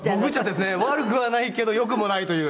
悪くはないけど良くもないという。